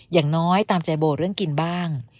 อย่างน้อยตามใจโบเรื่องกินบ้าง